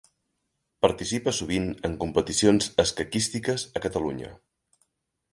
Participa sovint en competicions escaquístiques a Catalunya.